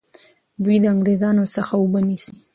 دوی د انګریزانو څخه اوبه نیسي.